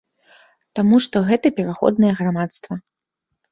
Таму што гэта пераходнае грамадства.